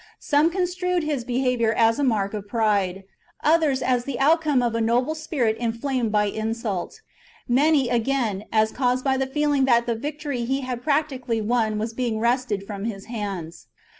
Some construed his be haviour as a mark of pride ; others as the outcome of a noble spirit inflamed by insult; many, again, as caused by the feeling that the victory he had practi cally won was being wrested from his hands.